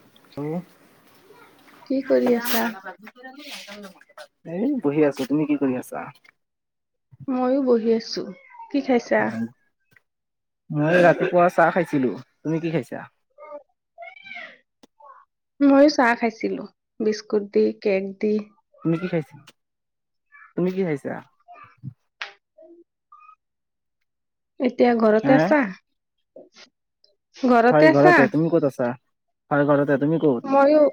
[unintelligible] কি কৰি আছা? এ বহি আছো, তুমি কি কৰি আছা? মইয়ো বহি আছো। কি খাইছা? অ' মই ৰাতিপুৱা চাহ খাইছো। ছিলো, তুমি কি খাইছা? ময়ো চাহ খাইছিলো, বিস্কুট দি কেক দি। তুমি কি খাইছা তুমি কি খাইছা? এতিয়া ঘৰতে হে আছা? [inaudible] হয় ঘৰতে, তুমি ক'ত আছা? হয় ঘৰতে। তুমি ক'ত ময়ো,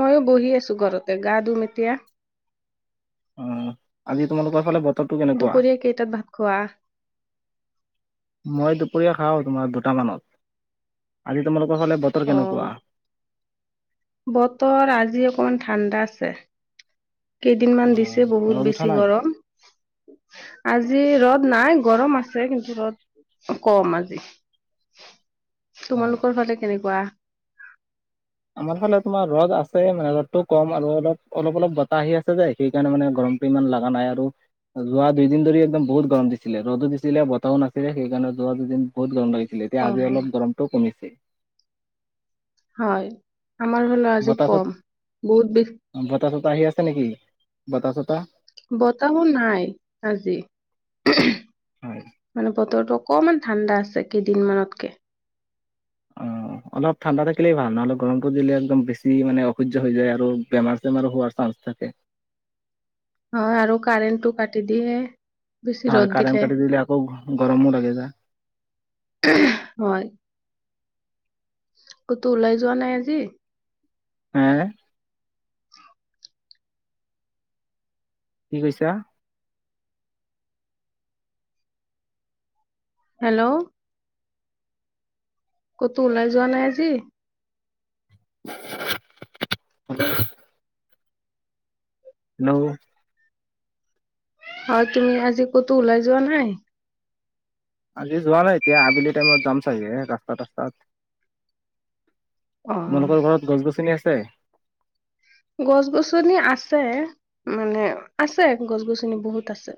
ময়ো বহি আছো। ঘৰতে, গা ধুম এতিয়া। অ' আজি তোমালোকৰ ফালে ব দুপৰীয়া কেইটাত ভাত খোৱা? মই দুপৰীয়া খাওঁ তোমাৰ দুটামানত আজি তোমালোক ফালে বতৰ কেনেকুৱা অ', বতৰ আজি অকণমান ঠাণ্ডা আছে কেইদিনমান দিছে অ বহুত ৰ'দ উঠা বেছি নাই গৰম আজি ৰ'দ নাই গৰম আছে কিন্তু ৰদ কম আজি হয় তোমালোকৰ ফালে কেনেকুৱা আমাৰ ফালে তোমাৰ ৰ'দ আছে মানে ৰ'দতটো কম আৰু অলপ অলপ অলপ বতাহ আহি আছে যে সেইকাৰণে মানে গৰমটো ইমান লগা নাই আৰু যোৱা দুইদিন ধৰি একদম বহুত গৰম দিছিলে ৰ'দো দিছিলে বতাহও নাছিলে সেইকাৰণে যোৱা দুইদিন বহুত গৰম লাগিছিল ছিলে এতিয়া আজি অ', অলপ গৰমটো কমিছে হয় আমাৰ ফালেও আজি বতাহ চত কম বহুত বে বতাহ আহি আছে নেকি বতাহ চতাহ বতাহো নাই আজি হয় মানে বতৰটো অকমান ঠাণ্ডা আছে কেইদিনমানতকে অ অলপ ঠাণ্ডা থাকিলেই ভাল নহ'লে গৰমটো দিলে একদম বেছি মানে অসহ্য হৈ যায় আৰু বেমাৰ চেমাৰো হোৱাৰ চান্স থাকে হয় আৰু কাৰেণ্টটো কাটি দিয়ে বেছি হয় ৰ'দ কাৰেণ্ট কাটি দিলে আকৌ গৰমো লাগি যায় হয় কতো ওলাই যোৱা নাই আজি হে কি কৈছা হেল্ল' ক'তো ওলাই যোৱা নাই আজি [unintelligible] ন হয় তুমি আজি ক'তো ওলাই যোৱা নাই আজি যোৱা নাই এতিয়া আবেলি টাইমত যাম চাগে ৰাস্তাতস্তাত অ তোমালোকৰ ঘৰত গছ গছনি আছে গছ গছনি আছে মানে আছে গছ গছনি বহুত আছে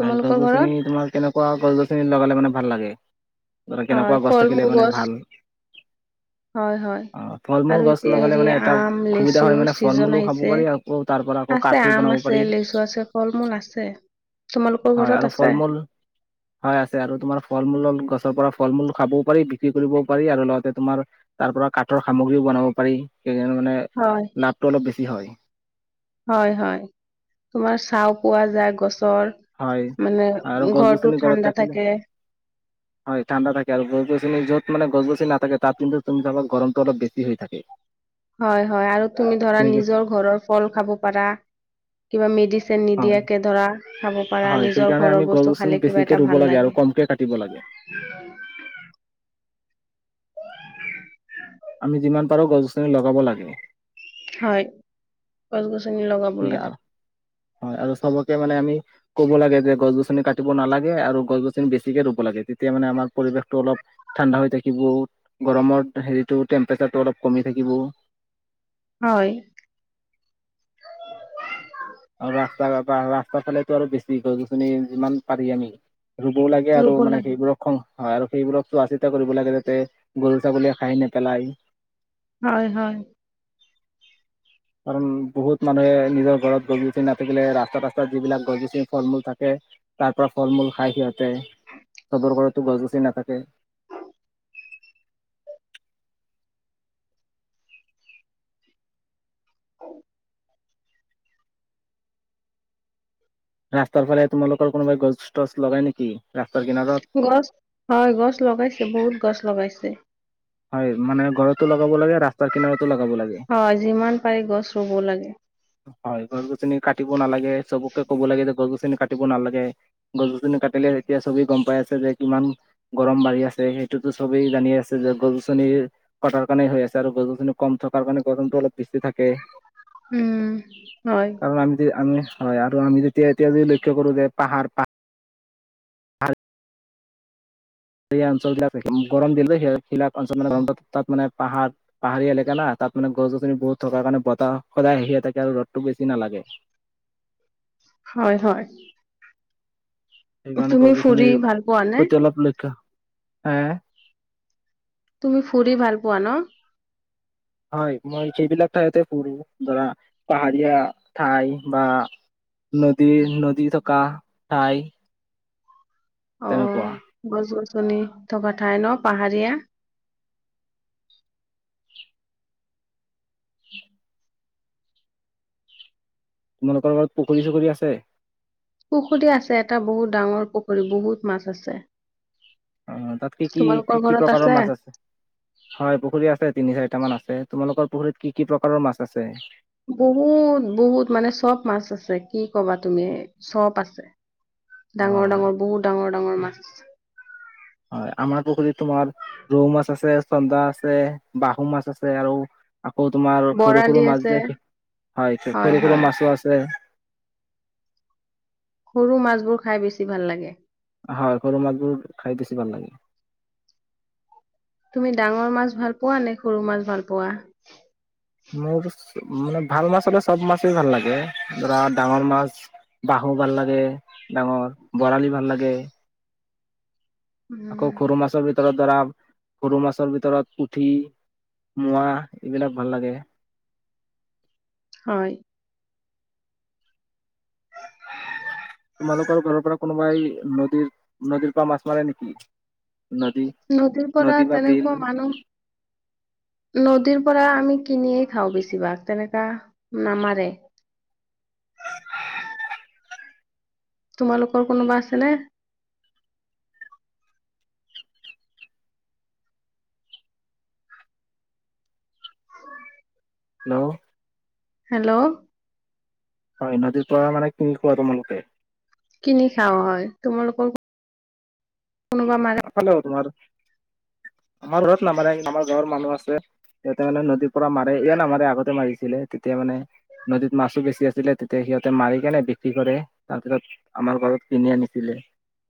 হয় গছ ঘৰত গছনি তোমাৰ কেনেকুৱা গছ গছনি লগালে মানে ভাল লাগে ধৰা হয় কেনেকুৱা গছ ফল থাকিলে মূল মানে গছ ভাল হয় হয় অ ফল মূল আৰু গছ এতিয়া লগালে হেৰি মানে এটা আম সুবিধা লিচু হয় মানে ফল চিজন মূলো খাব আহিছে পাৰি আকৌ তাৰ পৰা আকৌ আছে কাঠো আম বনাব আছে পাৰি লিচু আছে ফল মূল আছে তোমালোকৰ হয় ঘৰত আৰু আছে ফল মূল হয় আছে আৰু তোমাৰ ফল মূল গছৰ পৰা ফল মূল খাবও পাৰি বিক্ৰী কৰিবও পাৰি আৰু লগতে তোমাৰ তাৰ পৰা কাঠৰ সামগ্ৰীও বনাব পাৰি সেইকাৰণে মানে হয় লাভটো অলপ বেছি হয় হয় হয় তোমাৰ চাওঁক পোৱা যায় গছ হয় আৰু গছ গছনি গৰত ঠাণ্ডা থাকিলে থাকে হয় ঠাণ্ডা থাকে আৰু গছ গছনি য'ত মানে গছ গছি নাথাকে তাত কিন্তু চাবা গৰমটো অলপ বেছি হৈ থাকে হয় হয় আৰু তুমি ধৰা সেই নিজৰ ঘৰৰ ফল খাব পাৰা কিবা মেডি হয় নিদিয়াকে ধৰা খাব পাৰা হয় নিজৰ সেইকাৰণে ঘৰৰ আমি গছ বস্তু গছনি খালে কিবা বেছিকে এটা ৰুব ভাল আৰু লাগে কমকে কাটিব লাগে। আমি যিমান পাৰোঁ গছখনি লগাব লাগে হয় গছ গছ নী লগাব ঠিক লাগে আ- হয় আৰু চবকে মানে আমি ক'ব লাগে যে গছ গছনি কাটিব নালাগে আৰু গছ গছনি হয় আৰু সৱকে আমি কব লগে যে গছ গোচনি কৰিব নালাগে আৰু বেছিকে ৰুব লাগে তেতিয়া মানে আমাৰ পৰিৱেশটো অলপ ঠাণ্ডা হৈ থাকিব গৰমৰ হেৰিটো টেম্পাৰেচাৰটো অলপ কমি থাকিব হয় তাৰ ফালেতো আৰু বেছি গছ গছনি যিমান পাৰি আমি ৰুবও লাগে আৰু ৰুব মানে লাগে সেইবোৰক খ হয় আৰু সেইবোৰক চোৱা চিতা কৰিব লাগে যাতে গৰু ছাগলীয়ে খাই নেপেলায় হয় হয় কাৰণ বহুত মানুহে নিজৰ ঘৰত গছ গছনি নাথাকিলে তাস্তাত যিবিলাক গজছিনি ফল মূ থাকে তাৰ পৰা ফল মূল খাই সিহঁত যায় ঘৰত টো গছ গছনি নাথাকে অ ৰাস্তাৰ ফালে তোমালোকৰ কোনোবাই গছ টছ লগাই নেকি ৰাস্তাৰ কিনাৰত গছ হয় গছ লগাইছে বহুত গছ লগাইছে হয় মানে ঘৰতো লগাব লাগে ৰাস্তাৰ কিনাৰতো লগাব লাগে তো লগাব লাগে হয় যিমান পাৰি গছ ৰুব লাগে হয় গছ গছনি কাটিব নালাগে চবকে ক'ব লাগে যে গছ গছ কাটিব নালাগে গছনি কাটিলে এতিয়া চবেই গম পাই আছে যে কিমান গৰম বাঢ়ি আছে সেইটোতো চবেই জানিয়ে আছে যে গছনি কটাৰ কাৰণে হৈ আছে আৰু গছ গছনি কম থকাৰ কাৰণে গছনটো অলপ বেছি থাকে উম হয় কাৰণ আমি যে আমি হয় আৰু আমি যেতিয়া এতিয়া যদি লক্ষ্য কৰোঁ যে পাহাৰ পাহাৰ পা সেই অঞ্চল গিলা গৰম দিলো এ সেইবিলাক অঞ্চল মানে তাত মানে পাহাৰ পাহাৰীয়া এলেকা না তাত মানে গছ গছনি বহুত থকাৰ কাৰণে বতাহ সদায় আহিয়ে থাকে আৰু ৰ'দটো বেছি নালাগে হয় হয় সেইকাৰণে তুমি কৈছোঁ মানে ফুৰি সেই ভাল পোৱা নে? প্ৰতিটো অলপ লখা হেএ তুমি ফুৰি ভাল পোৱা ন হয় মই সেইবিলাক ঠাইতে পুৰো ধৰা পাহাৰীয়া ঠাই বা নদীৰ নদী থকা ঠাই অ তেনেকুৱা বছ বছ শুনি থকা ঠাই ন পাহাৰীয়া তোমালোকৰ লগৰত পুখুৰী চুখুৰী আছে পুখুৰি আছে এটা বহুত ডাঙৰ পুখুৰী বহুত মাছ আছে অ তাত কি কি তোমালোকৰ কি কি ঘৰত প্ৰকাৰৰ মাছ আছে হয় পুখুৰী আছে তিনি চাই কেইটামান আছে তোমালোকৰ পুখুৰীত কি কি প্ৰকাৰৰ মাছ আছে বহুত বহুত মানে চব মাছ আছে কি কবা তুমি চব আছে। অ ডাঙৰ ডাঙৰ বহুত ডাঙৰ ডাঙৰ ডাঙৰ মাছ হয় আমাৰ পুখুৰীত তোমাৰ ৰৌ মাছ আছে চন্দা আছে বাহু মাছ আছে আৰু আকৌ তোমাৰ সৰু বৰালি সৰু মাছ আছে যে হয় হয় সৰু সৰু হয়। মাছো আছে সৰু মাছবোৰ খাই বেছি ভাল লাগে হয় সৰু মাছবোৰ খাই বেছি ভাল লাগে তুমি ডাঙৰ মাছ ভাল পোৱা নে সৰু মাছ ভাল পোৱা মোৰ মানে ভাল মাছ হ'লে চব মাছেই ভাল লাগে ধৰা ডাঙৰ মাছ বাহু ভাল লাগে ডাঙৰ বৰালি ভাল লাগে আকৌ উম, সৰু মাছো বশু ধৰা সৰু মাছৰ ভিতৰত পুঠি মোৱা এইবিলাক ভাল লাগে হয় তোমালোকৰ ঘৰৰ পৰা কোনোবাই নদীৰ নদীৰ পৰা মাছ মাৰে নেকি নদী নদীৰ পৰা নদী বা বিল তেনেকুৱা মানুহ নদীৰ পৰা আমি কিনিয়ে খাওঁ বেছিভাগ তেনেকা নামাৰে তোমালোকৰ কোনোবা আছেনে হেল্ল' হেল্ল' হয় নদীৰ পৰা মানে কিনি খোৱা তোমালোকে কিনি খাওঁ হয় তোমালোকৰ কোনোবা মাৰে ভালে হ তোমাৰ আমাৰ ঘৰত নামানে আমাৰ গাঁৱৰ মানুহ আছে সিহঁতে মানে নদীৰ পৰা মাৰে ইয় নামাৰে আগতে মাৰিছিলে তেতিয়া মানে নদীত মাছো বেছি আছিলে তেতিয়া সিহঁতে মাৰি কেনে বিক্ৰী কৰে তাৰপিছত আমাৰ ঘৰত কিনি আনিছিলে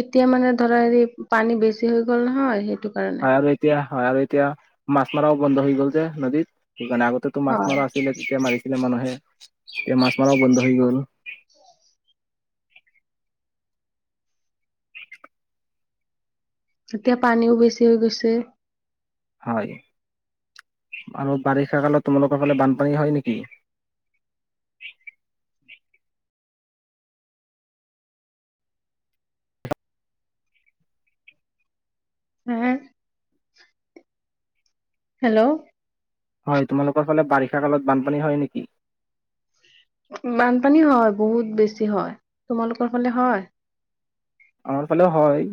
এতিয়া মানে ধৰা হেৰি পানী বেছি হৈ গ'ল নহয় সেই আৰু এতিয়া হয় আৰু এতিয়া মাছ মৰাাও বন্ধ হৈ গ'ল যে নদীত সেইকাৰণে আগতেতো মাছ হয় মৰা আছিলে তেতিয়া মাৰিছিলে মানুহে তেতিয়া মাছ মৰাও বন্ধ হৈ গ'ল [unintelligible] এতিয়া পানীও বেছি হৈ গৈছে হয় আৰু বাৰিষা কালত তোমালোকৰ ফালে বানপানী হয় নেকি হয় হেল্ল' হয় তোমালোকৰ ফালে বাৰিষা কালত বানপানী হয় নেকি বানপানী হয় বহুত বেছি হয় তোমালোকৰ ফালে হয় আমাৰ ফালেও হয়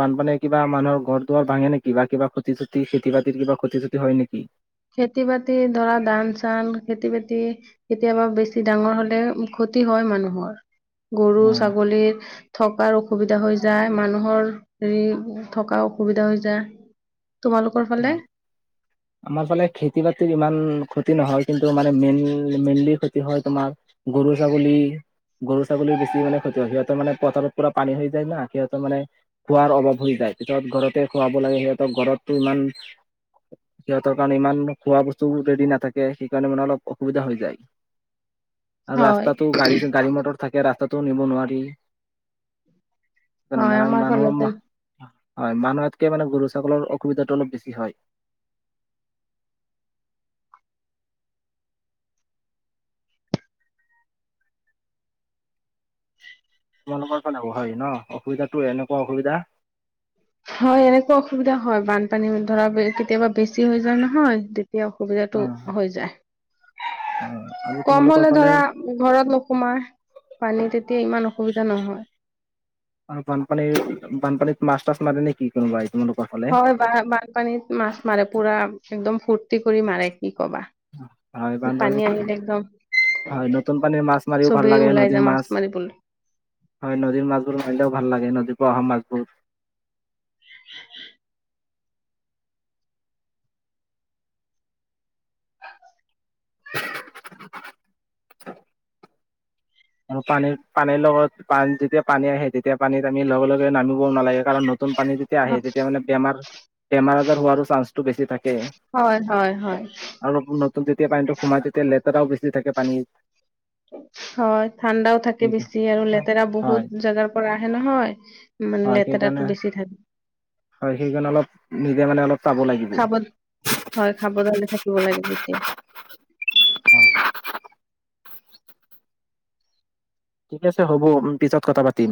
বানপানীয়ে কিবা মানুহৰ ঘৰ দুৱাৰ ভাঙে নেকি বা কিবা ক্ষতি চতি খেতি বাতিৰ কিবা ক্ষতি চতি হয় নেকি খেতি বাতি ধৰা ধান চান খেতি বাতি কেতিয়াবা বেছি ডাঙৰ হলে ক্ষতি হয় মানুহৰ গৰু উম ছাগলীৰ থকাৰ অসুবিধা হৈ যায় মানুহৰ হেৰি থকা অসুবিধা হৈ যায় তোমালোকৰ ফালে হয়। আমাৰ ফালে খেতি বাতিৰ ইমান ক্ষতি নহয় কিন্তু মানে মেইনল মেইনলি ক্ষতি হয় তোমাৰ গৰু ছাগলী গৰু ছাগলীৰ বেছি মানে ক্ষতি হয় সিহঁতৰ মানে পথাৰত পূৰা পানী হৈ যায় না সিহঁতৰ মানে খোৱাৰ অভাৱ হৈ যায় ভিতৰত ঘৰতে খুৱাব লাগে সিহঁতক ঘৰত ইমান সিহঁতৰ কাৰণে ইমান খোৱা বস্তু ৰেডি নাথাকে সেইকাৰণে মানে অলপ অসুবিধা হৈ যায় আৰু হয় ৰাস্তাটো গাড়ী গাড়ী মটৰ থাকে ৰাস্তাত নিব নোৱাৰি হয় মানে আমাৰ মানুহ ফালতে হয় মানুহতকে মানে গৰু ছাগলৰ অসুবিধাটো অলপ বেছি হয় [unintelligible] তোমালোকৰ [unintelligible] হয় ন অসুবিধাটো এনেকুৱা অসুবিধা হয় এনেকুৱা অসুবিধা হয় বানপানী বুলি ধৰা কেতিয়াবা বেছি হৈ যায় নহয় তেতিয়া অ অসুবিধাটো হৈ যায় অ আৰু কম তোমালোকৰ হলে ফালে ধৰা ঘৰত নোসোমাই পানী তেতিয়া ইমান অসুবিধা নহয় আৰু বানপানীৰ বানপানী মাষ্টাৰ [unintelligible] নেকি কনোবাই হয় বা বানপানীত মাছ মাৰে পুৰা একদম ফূৰ্তি কৰি মাৰে কি কবা হয় বানপানী পানী আহিলে একদম হয় নতুন পানীৰ মাছ মাৰিও ভাল চবেই লাগে ওলাই নদীৰ যায় মাছ মাৰিবলৈ হয় নদীৰ মাছবোৰ মাৰিলেও ভাল লাগে নদী অহা মাছবোৰ [unintelligible] আৰু পানীৰ পানীৰ লগত পানী যেতিয়া পানী আহে তেতিয়া পানীত আমি লগে লগে নামি নালাগে কাৰণ নতুন পানী যেতিয়া আহে তেতিয়া মানে বেমাৰ বেমাৰ হোৱাৰো চাঞ্চটো বেছি থাকে হয় হয় হয় আৰু নতুন যেতিয়া পানীটো সোমাই তেতিয়া লেতেৰাও বেছি থাকে পানীত হয় ঠাণ্ডাও থাকে বেছি আৰু হয় লেতেৰা হয় বহুত জেগাৰ পৰা আহে নহয় মানে হয় সেইকাৰণে লেতেৰাতটো বেছি থাকে হয় সেইকাৰণে অলপ নিজে মানে অলপ চাব লাগিব খাবত হয় খাবালে [inaudible] দ লাগে তেতিয়া অ [unintelligible] ঠিক আছে হ'ব পিছত কথা পাতিম